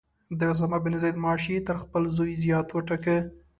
د اسامه بن زید معاش یې تر خپل زوی زیات وټاکه.